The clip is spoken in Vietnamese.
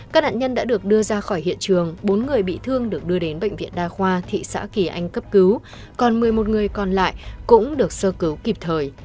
các nạn nhân đã được đưa ra khỏi hiện trường bốn người bị thương được đưa đến bệnh viện đa khoa thị xã kỳ anh cấp cứu còn một mươi một người còn lại cũng được sơ cứu kịp thời